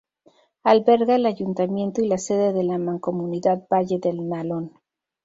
Alberga el ayuntamiento y la sede de la Mancomunidad Valle del Nalón.